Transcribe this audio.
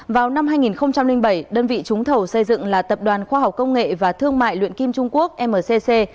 vào năm hai nghìn bảy đơn vị trúng thầu xây dựng là tập đoàn khoa học công nghệ và thương mại luyện kim trung quốc mcc